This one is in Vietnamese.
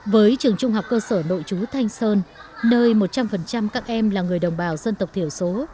với trường trung học cơ sở nội chú thanh sơn nơi một trăm linh các em là người đồng bào dân tộc thiểu số